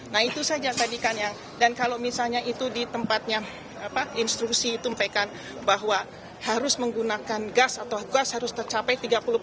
nah itu saja tadinya dan kalau misalnya itu di tempatnya instruksi itu memperikan bahwa harus menggunakan gas atau gas harus tercapai tiga puluh